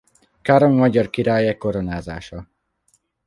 Károly magyar királlyá koronázása.